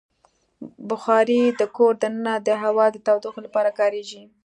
بخاري د کور دننه د هوا د تودوخې لپاره کارېږي.